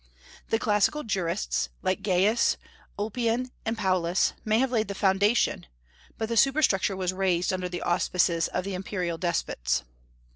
The classical jurists, like Gaius, Ulpian, and Paulus, may have laid the foundation, but the superstructure was raised under the auspices of the imperial despots.